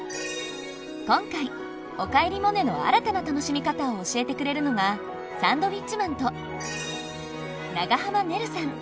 今回「おかえりモネ」の新たな楽しみ方を教えてくれるのがサンドウィッチマンと長濱ねるさん。